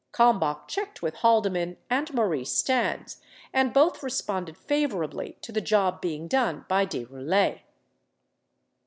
Kalmbach checked with Haldeman and Maurice Stans and both responded favorably to the job being done by De Roulet.